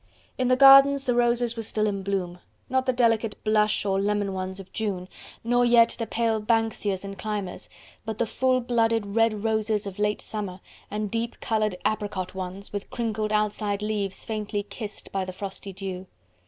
In the gardens the roses were still in bloom, not the delicate blush or lemon ones of June, nor yet the pale Banksias and climbers, but the full blooded red roses of late summer, and deep coloured apricot ones, with crinkled outside leaves faintly kissed by the frosty dew.